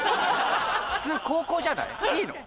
普通高校じゃない？いいの？